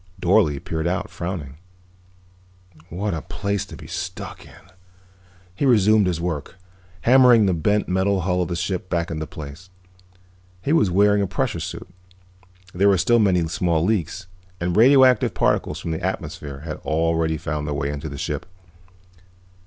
Dorle peered out, frowning. "What a place to be stuck in." He resumed his work, hammering the bent metal hull of the ship back into place. He was wearing a pressure suit; there were still many small leaks, and radioactive particles from the atmosphere had already found their way into the ship.